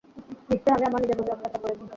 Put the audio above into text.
নিশ্চয় আমি আমার নিজের প্রতি অত্যাচার করেছি।